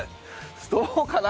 どうかな？